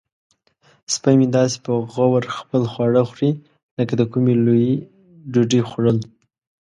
سپی مې داسې په غور خپل خواړه خوري لکه د کومې لویې ډوډۍ خوړل.